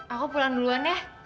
aku pulang duluan ya